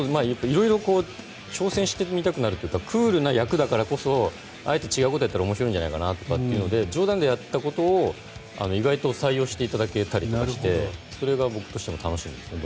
色々挑戦してみたくなるというかクールな役だからこそあえて違うことをやったら面白いんじゃないかなと思って冗談でやったことを意外と採用していただけたりとかしてそれが僕としても楽しみですね。